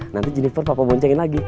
nanti jennifer papa boncengin lagi